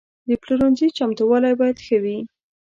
د پلورنځي چمتووالی باید ښه وي.